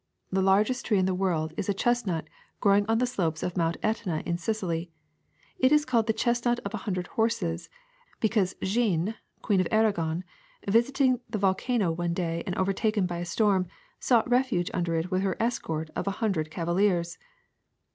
The largest tree in the world is a chestnut grow ing on the slopes of Mount Etna in Sicily. It is called the chestnut of a hundred horses, because Jeanne, Queen of Aragon, visiting the volcano one day and overtaken by a storm, sought refuge under it wdth her escort of a hundred cavaliers.